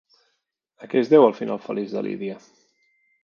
A què es deu el final feliç de Lídia?